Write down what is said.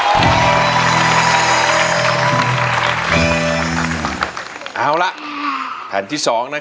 ก็คือร้องให้เหมือนเพลงเมื่อสักครู่นี้